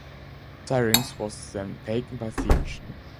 Syrinx was then taken by siege.